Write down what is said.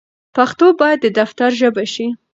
پښتو بايد د دفتر ژبه شي.